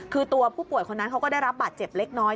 คือตัวผู้ป่วยคนนั้นเขาก็ได้รับบาดเจ็บเล็กน้อย